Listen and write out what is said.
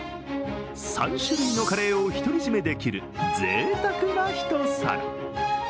３種類のカレーを独り占めできるぜいたくなひと皿。